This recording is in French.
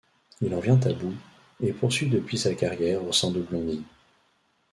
Il en vient à bout, et poursuit depuis sa carrière au sein de Blondie.